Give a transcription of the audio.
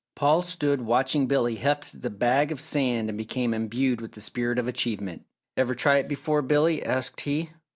Paul stood watching Billy heft the bag of sand and became imbued with the spirit of achievement. "Ever try it before, Billy?" asked he.